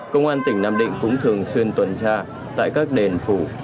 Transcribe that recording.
công an tỉnh nam định cũng thường xuyên tuần tra tại các đền phủ